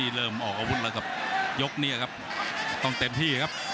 เริ่มออกอาวุธแล้วครับยกนี้ครับต้องเต็มที่ครับ